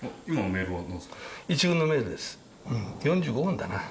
４５分だな。